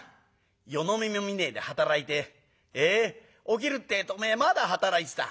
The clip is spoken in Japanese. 夜の目も見ねえで働いて起きるってえとおめえまだ働いてた。